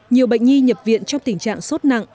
nhiều bệnh nhi nhập viện trong tình trạng sốt nặng